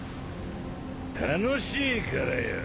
楽しいからよ。